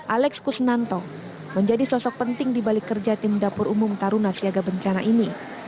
alex kusenanto menjadi sosok penting di balik kerja tim dapur umum taruh nasi agar bencana ini